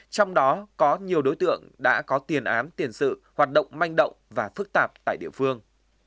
trong đó có nhiều đối tượng đã có tiền án tiền sự hoạt động manh động và phức tạp tại địa phương